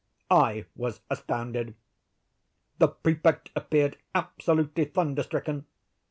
I was astounded. The Prefect appeared absolutely thunder stricken.